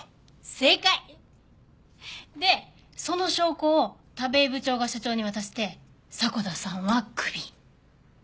正解！でその証拠を田部井部長が社長に渡して迫田さんはクビ。